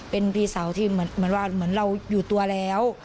เป็นพี่เศร้าที่เหมือนเราอยู่ตัวแล้ว